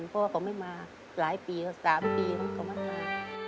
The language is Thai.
เพราะว่าเขาไม่มาหลายปีสามปีแล้วเขามาทาน